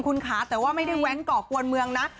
คุณค่ะแต่ว่าไม่ได้แว้นก่อกวนเมืองนะ